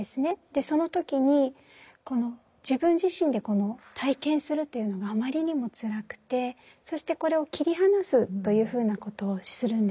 その時に自分自身で体験するというのがあまりにもつらくてそしてこれを切り離すというふうなことをするんです。